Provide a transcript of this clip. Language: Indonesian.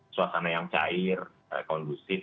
suasana yang cair kondusif